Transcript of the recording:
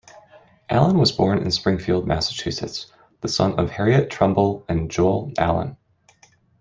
Allen was born in Springfield, Massachusetts, the son of Harriet Trumbull and Joel Allen.